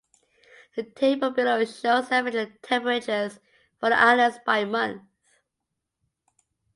The table below shows the average temperatures for the islands by month.